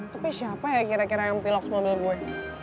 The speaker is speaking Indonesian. tapi siapa ya kira kira yang piloks mobil gue